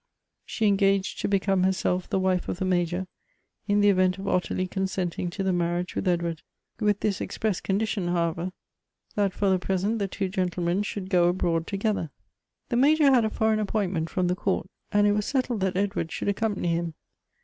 She engaged to become herself the wife of the Major, in the event of Ottilie consenting to the marriage with Edward ; with this express condition, however, that for the present the two gentlemen should go abroad together. The Major had a foreign appointment from the court, and it was settled that Edward should accompany him.